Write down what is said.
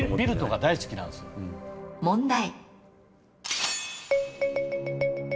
問題。